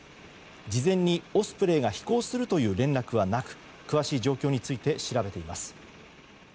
事前にオスプレイが飛行するという連絡はなく詳しい状況について調べています。